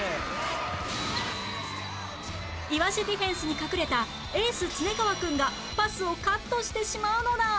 イワシディフェンスに隠れたエース常川くんがパスをカットしてしまうのだ！